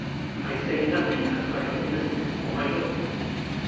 I say nothing as to my own innocence, or my own guilt.